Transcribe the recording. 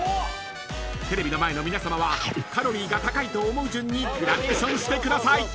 ［テレビの前の皆さまはカロリーが高いと思う順にグラデーションしてください］